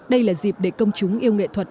đây là dịp để công chúng yêu nghệ thuật